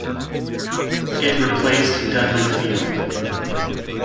It replaced Dudley Field.